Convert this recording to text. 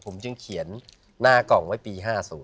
ผมจึงเขียนหน้ากล่องไว้ปี๕๐